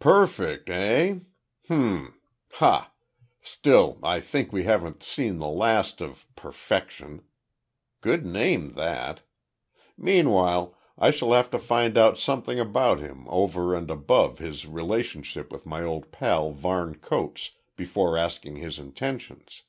"Perfect eh? H'm ha! Still I think we haven't seen the last of Perfection. Good name that. Meanwhile, I shall have to find out something about him over and above his relationship with my old pal Varne Coates, before asking his intentions."